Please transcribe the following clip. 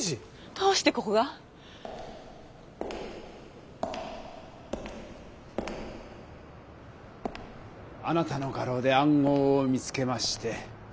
どうしてここが？あなたの画廊で暗号を見つけまして。